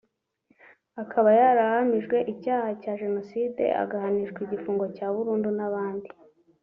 akaba yarahamijwe icyaha cya Jenoside ahanishwa igifungo cya burundu n’abandi